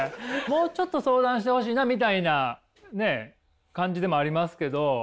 もうちょっと相談してほしいなみたいなね感じでもありますけど。